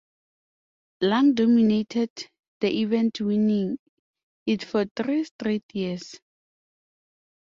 Lang dominated the event, winning it for three straight years.